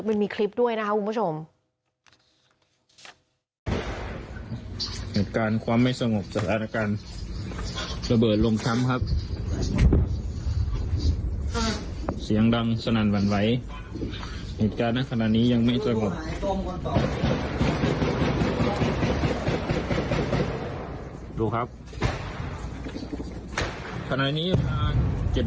มันมีคลิปด้วยนะคะคุณผู้ชม